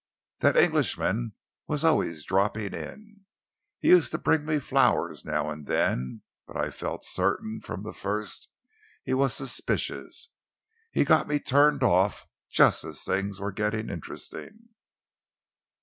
That Englishman was always dropping in. Used to bring me flowers now and then, but I felt certain from the first he was suspicious. He got me turned off just as things were getting interesting."